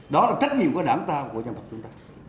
đó là trách nhiệm của đảng ta của dân tộc chúng ta